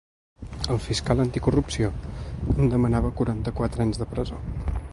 El fiscal anticorrupció en demanava quaranta-quatre anys de presó.